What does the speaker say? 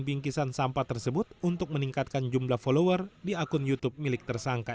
bingkisan sampah tersebut untuk meningkatkan jumlah follower di akun youtube milik tersangka